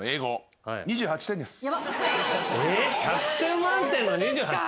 えっ１００点満点の２８点。